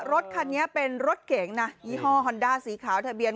รถคันนี้เป็นรถเก๋งนะยี่ห้อฮอนด้าสีขาวทะเบียน